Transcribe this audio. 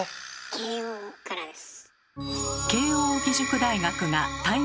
慶應からです。